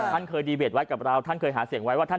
ท่านเคยดีเบตไว้กับเราท่านเคยหาเสียงไว้ว่าท่าน